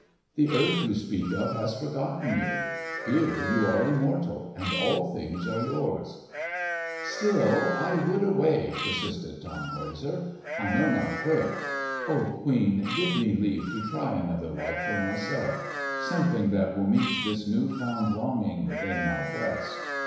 The earth you speak of has forgotten you. Here you are immortal and all things are yours." "Still I would away," persisted Tannhäuser. "I know not where. O queen, give me leave to try another life for myself—something that will meet this new found longing within my breast!